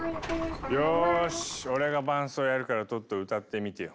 よし俺が伴奏やるからトット歌ってみてよ。